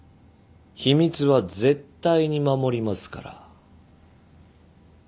秘密は絶対に守りますから